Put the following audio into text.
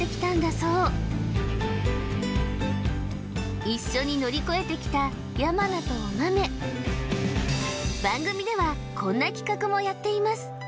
そう一緒に乗り越えてきた山名とおまめ番組ではこんな企画もやっています